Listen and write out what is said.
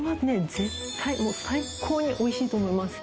絶対最高においしいと思います